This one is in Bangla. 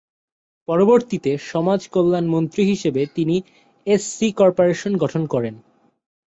পরবর্তীতে, সমাজ কল্যাণ মন্ত্রী হিসেবে, তিনি এসসি কর্পোরেশন গঠন করেন।